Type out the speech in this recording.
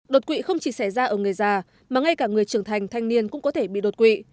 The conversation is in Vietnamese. đột quỵ không chỉ xảy ra ở người già mà ngay cả người trưởng thành thanh niên cũng có thể bị đột quỵ